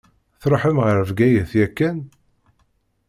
Tṛuḥem ɣer Bgayet yakan?